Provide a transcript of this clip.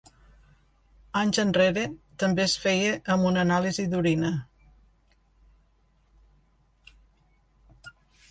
Anys enrere, també es feia amb un anàlisi d’orina.